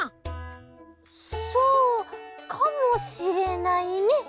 そうかもしれないね。